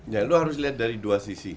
ya lu harus lihat dari dua sisi